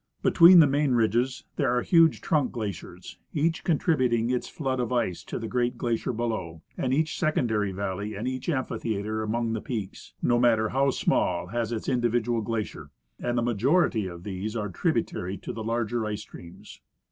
Between the main ridges there are huge trunk glaciers, each contriluiting its flood of ice to the great glacier below ; and each secondary valley and each amphitheatre among the peaks, no matter how small, has its individual glacier, and the majority of these are tributary to the larger ice streams.